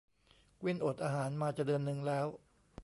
กวิ้นอดอาหารมาจะเดือนนึงแล้ว